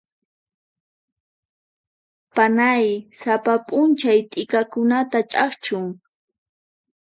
Panay sapa p'unchay t'ikakunata ch'akchun.